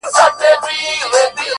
اوښکي نه راتویومه خو ژړا کړم،